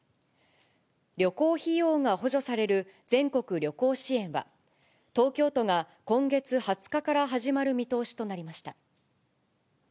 旅行費用が補助される全国旅行支援は、東京都が今月２０日から始まる見通しとなりました。